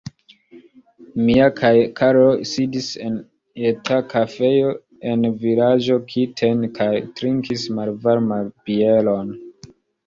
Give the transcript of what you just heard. Mi kaj Karlo sidis en eta kafejo en vilaĝo Kiten kaj trinkis malvarman bieron.